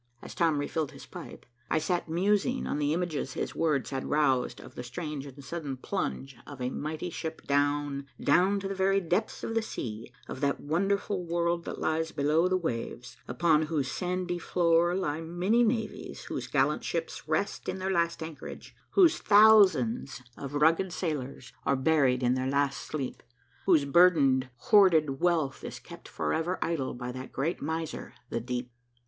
As Tom refilled his pipe, I sat musing on the images his words had roused of the strange and sudden plunge of a mighty ship down, down to the very depths of the sea, of that wonderful world that lies below the waves, upon whose sandy floor lie many navies whose gallant ships rest in their last anchorage, whose thousands of rugged sailors are buried in their last sleep, whose burdened, hoarded wealth is kept forever idle by that great miser, the deep.